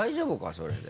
それで。